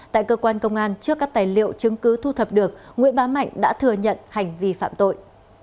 tại cơ quan công an trước các tài liệu chứng cứ thu thập được nguyễn bá mạnh đã thừa nhận hành vi phạm tội